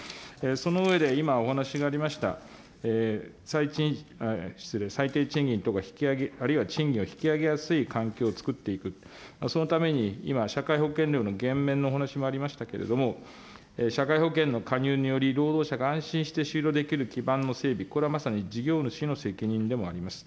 その上で、今、お話しがありました、最賃、失礼、最低賃金等が引き上げ、あるいは賃金を引き上げやすい環境を作っていく、そのために今、社会保険料の減免の話もありましたけれども、社会保険の加入により、労働者が安心して就労できる基盤の整備、これはまさに事業主の責任でもあります。